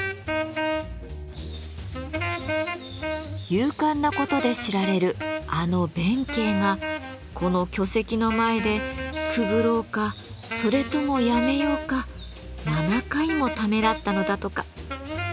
勇敢なことで知られるあの弁慶がこの巨石の前でくぐろうかそれともやめようか７回もためらったのだとか。